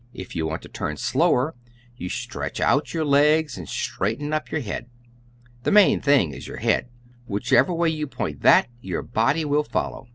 If you want to turn slower you stretch out your legs and straighten up your head. The main thing is your head. Whichever way you point that your body will follow.